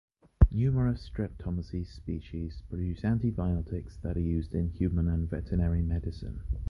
Numerous Streptomyces species produce antibiotics that are used in human and veterinary medicine.